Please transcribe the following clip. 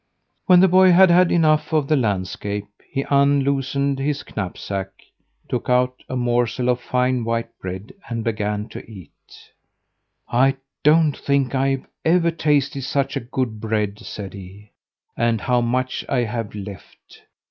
When the boy had had enough of the landscape he unloosed his knapsack, took out a morsel of fine white bread, and began to eat. "I don't think I've ever tasted such good bread," said he. "And how much I have left!